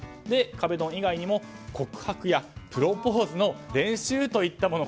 壁ドン以外にも告白やプロポーズの練習といったもの。